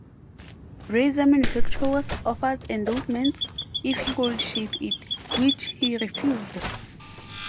Razor manufacturers offered endorsements if he would shave it, which he refused.